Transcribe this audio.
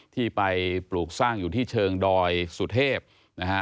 ที่ไปปลูกสร้างอยู่ที่เชิงดอยสุเทพนะฮะ